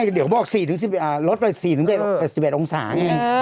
ใช่เดี๋ยวบอกรถไป๔๘๑๘องศาง่าย